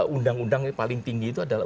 undang undang paling tinggi itu adalah